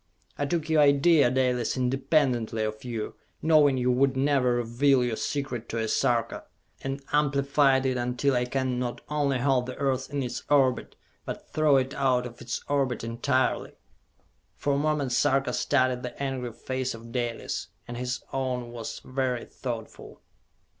I took your idea, Dalis, independently of you, knowing you would never reveal your secret to a Sarka, and amplified it until I can not only halt the Earth in its orbit, but throw it out of its orbit entirely!" For a moment Sarka studied the angry face of Dalis, and his own was very thoughtful.